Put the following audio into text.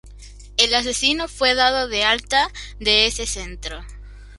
El asesino fue dado de alta de ese centro.